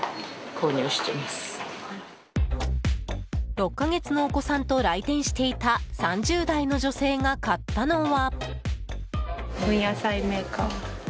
６か月のお子さんと来店していた３０代の女性が買ったのは。